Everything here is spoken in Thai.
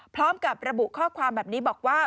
พร้อมกับระบุข้อความแบบนี้บอกว่า